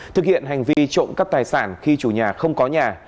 thực hiện hành vi trộm cắp tài sản khi chủ nhà không có nhà